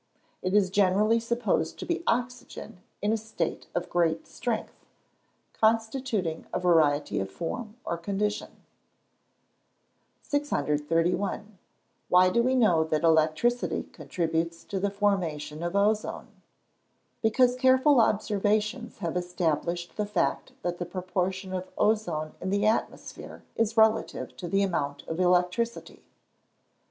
It is generally supposed to be oxygen in a state of great strength, constituting a variety of form or condition. 631. Why do we know that electricity contributes to the formation of ozone? Because careful observations have established the fact that the proportion of ozone in the atmosphere is relative to the amount of electricity.